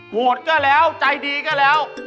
โหดก็แล้วใจดีก็แล้ว